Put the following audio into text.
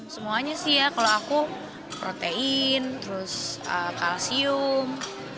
semuanya sih ya kalau aku protein terus kalsium